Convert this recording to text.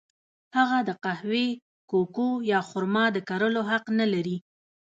هغه د قهوې، کوکو یا خرما د کرلو حق نه لري.